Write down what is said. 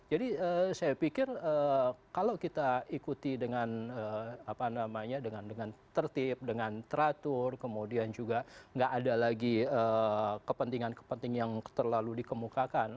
jadi saya pikir kalau kita ikuti dengan tertib dengan teratur kemudian juga tidak ada lagi kepentingan kepentingan yang terlalu dikemukakan